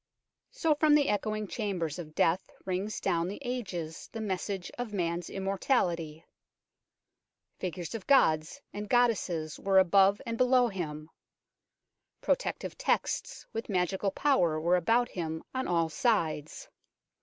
So from the echoing chambers of death rings down the ages the message of man's immortality. Figures of gods and goddesses were above and below him. Protective texts with magical power were about him on all sides.